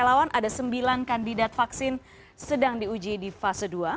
kalau tidak ada sukarela ada sembilan kandidat vaksin sedang diuji di fase dua